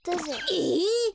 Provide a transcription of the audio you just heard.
えっ！？